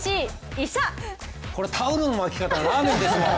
これ、タオルの巻き方、ラーメンでしょう！